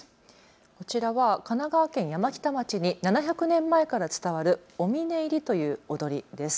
こちらは神奈川県山北町に７００年前から伝わるお峰入りという踊りです。